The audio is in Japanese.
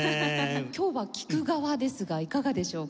今日は聴く側ですがいかがでしょうか？